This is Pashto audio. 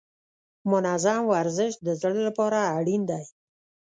منظم ورزش د زړه لپاره اړین دی.